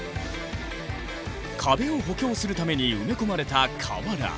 壁を補強するために埋め込まれた瓦。